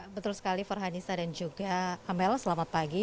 betul sekali farhanisa dan juga amel selamat pagi